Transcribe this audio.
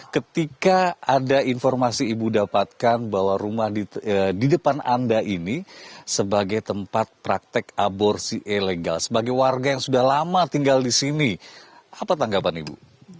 ketika ada informasi ibu dapatkan bahwa rumah di depan anda ini sebagai tempat praktek aborsi ilegal sebagai warga yang sudah lama tinggal di sini apa tanggapan ibu